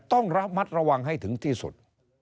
ต้องระมัดระวังให้ถึงที่สุด